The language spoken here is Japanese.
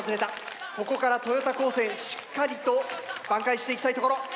ここから豊田高専しっかりと挽回していきたいところ。